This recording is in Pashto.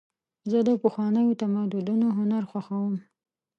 زه د پخوانیو تمدنونو هنر خوښوم.